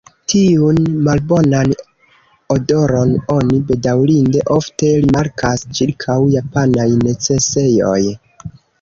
Tiun malbonan odoron oni bedaŭrinde ofte rimarkas ĉirkaŭ japanaj necesejoj.